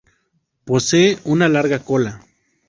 Posee una larga cola.